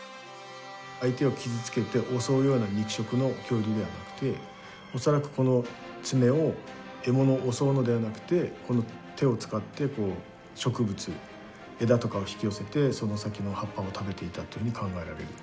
相手を傷つけて襲うような肉食の恐竜ではなくて恐らくこの爪を獲物を襲うのではなくてこの手を使って植物枝とかを引き寄せてその先の葉っぱを食べていたというふうに考えられる。